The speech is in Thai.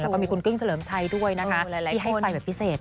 แล้วก็มีคุณกึ้งเฉลิมชัยด้วยนะคะที่ให้ไฟแบบพิเศษ